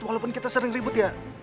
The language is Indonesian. walaupun kita sering ribut ya